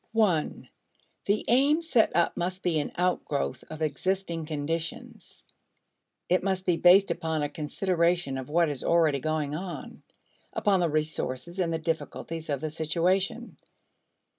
(1) The aim set up must be an outgrowth of existing conditions. It must be based upon a consideration of what is already going on; upon the resources and difficulties of the situation.